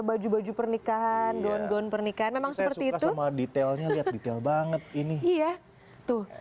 baju baju pernikahan gaun gaun pernikahan memang seperti itu detailnya lihat detail banget ini iya tuh